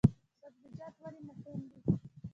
سبزیجات ولې مهم دي؟